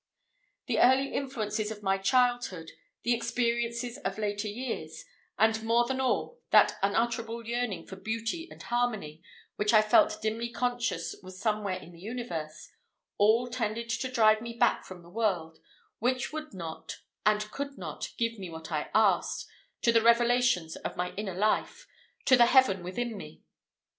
The early influences of my childhood, the experiences of later years, and more than all, that unutterable yearning for Beauty and Harmony, which I felt dimly conscious was somewhere in the universe, all tended to drive me back from the world, which would not and could not give me what I asked, to the revelations of my inner life, to the "Heaven within me."